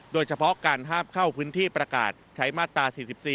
โดยเฉพาะการห้ามเข้าพื้นที่ประกาศใช้มาตรา๔๔